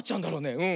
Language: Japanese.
うん。